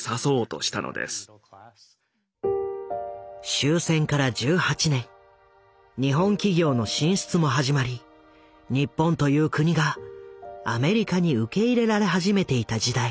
終戦から１８年日本企業の進出も始まり日本という国がアメリカに受け入れられ始めていた時代。